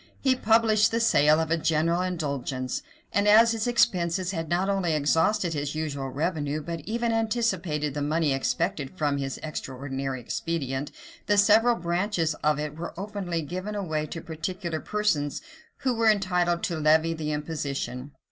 He published the sale of a general indulgence; [] and as his expenses had not only exhausted his usual revenue, but even anticipated the money expected from this extraordinary expedient, the several branches of it were openly given away to particular persons, who were entitled to levy the imposition.